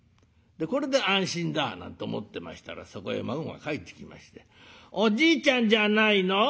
これで安心だなんて思ってましたらそこへ孫が帰ってきまして「おじいちゃんじゃないの？